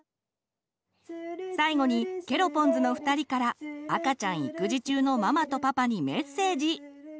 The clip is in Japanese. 最後にケロポンズの２人から赤ちゃん育児中のママとパパにメッセージ！